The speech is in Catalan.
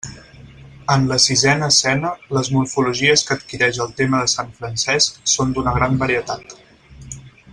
En la sisena escena, les morfologies que adquireix el tema de sant Francesc són d'una gran varietat.